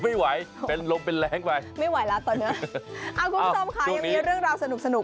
ไม่ไหวเป็นลมเป็นละไว้ไม่ไหวแล้วตอนนี้เรื่องลาสนุกสนุก